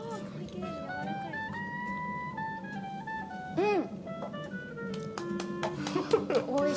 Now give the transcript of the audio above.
うん！